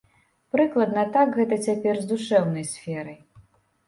Прыкладна так гэта цяпер з душэўнай сферай.